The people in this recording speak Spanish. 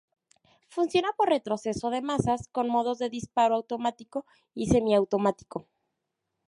Funciona por retroceso de masas con modos de disparo automático y semiautomático.